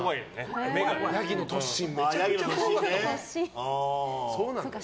ヤギの突進めちゃくちゃ怖かった。